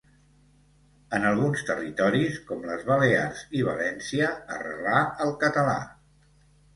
En alguns territoris, com les Balears i València, arrelà el català.